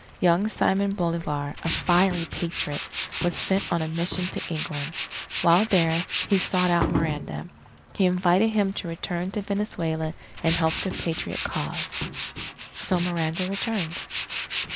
Young Simon Bolivar, a fiery Patriot, was sent on a mission to England. While there, he sought out Miranda. He invited him to return to Venezuela and help the Patriot cause. So Miranda returned.